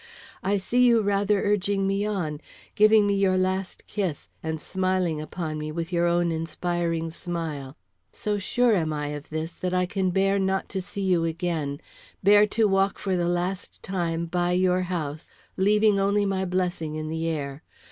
I see you rather urging me on, giving me your last kiss, and smiling upon me with your own inspiring smile. So sure am I of this, that I can bear not to see you again; bear to walk for the last time by your house, leaving only my blessing in the air.